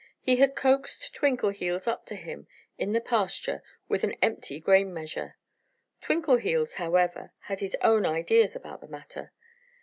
He had coaxed Twinkleheels up to him in the pasture with an empty grain measure. Twinkleheels, however, had his own ideas about the matter.